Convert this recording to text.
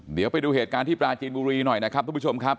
เดี๋ยวไปดูเหตุการณ์ที่ปลาจีนบุรีหน่อยนะครับทุกผู้ชมครับ